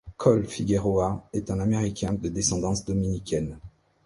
Cole Figueroa est un Américain de descendance dominicaine.